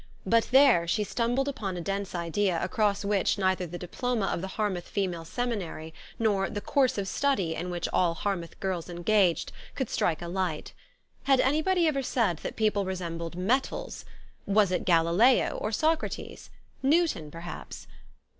But there she stumbled upon a dense idea across which neither the diploma of the Harmouth Female Seminary, nor the " course of study " in which all Harmouth girls engaged, could strike a light. Had anybody ever said that people resembled metals ? Was it Galileo, or Socrates ? Newton perhaps.